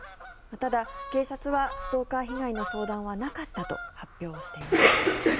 ただ、警察はストーカー被害の相談はなかったと発表しています。